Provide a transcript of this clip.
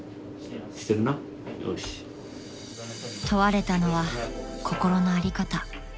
［問われたのは心の在り方］